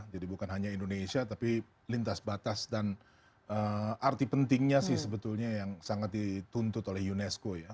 jadi bukan hanya indonesia tapi lintas batas dan arti pentingnya sih sebetulnya yang sangat dituntut oleh unesco ya